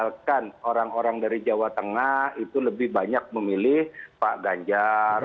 misalkan orang orang dari jawa tengah itu lebih banyak memilih pak ganjar